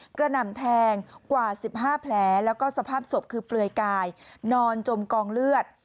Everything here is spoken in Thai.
หน่ำแทงกว่า๑๕แผลแล้วก็สภาพศพคือเปลือยกายนอนจมกองเลือด